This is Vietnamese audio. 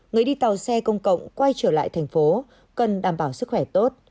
người đi tàu xe công cộng quay trở lại thành phố cần đảm bảo sức khỏe tốt